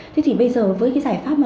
thế thì bây giờ với giải pháp